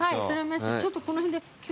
ちょっとこの辺で。